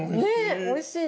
おいしい。